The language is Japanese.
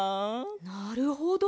なるほど。